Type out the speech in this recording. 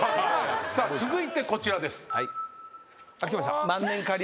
続いてこちらです。